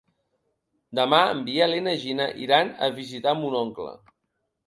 Demà en Biel i na Gina iran a visitar mon oncle.